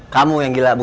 kamu yang gila bukan aku